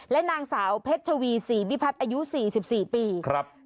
และนางสาวเพชรชวีศรีวิพัฒน์อายุ๔๔ปีครับ